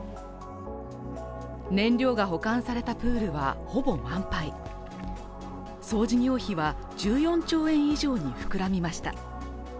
燃料が保管されたプールはほぼ満杯総事業費は１４兆円以上に膨らみました